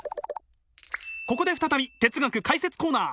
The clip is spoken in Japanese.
ここで再び哲学解説コーナー。